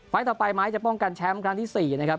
ต่อไปไม้จะป้องกันแชมป์ครั้งที่๔นะครับ